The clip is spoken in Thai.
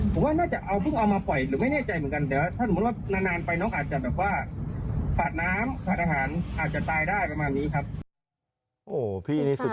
ผมว่าน่าจะเอามาปล่อยหรือไม่แน่ใจเหมือนกัน